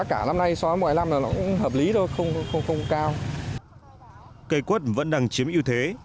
cây quất vẫn đang chiếm yêu thế